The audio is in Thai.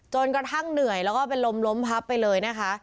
จนกระทั่งเหนื่อยแล้วก็เป็นลมล้มพับไปเลยนะคะ